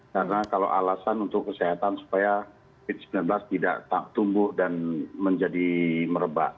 karena kalau alasan untuk kesehatan supaya bid sembilan belas tidak tumbuh dan menjadi merebak